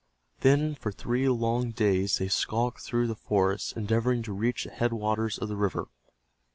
Then for three long days they skulked through the forest endeavoring to reach the headwaters of the river.